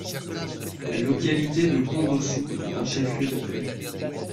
La localité de Kondossou est un chef-lieu de commune.